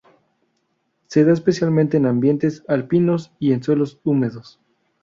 Se da especialmente en ambientes alpinos y en suelos húmedos.